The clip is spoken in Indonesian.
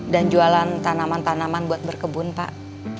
dan jualan tanaman tanaman buat berkebun pak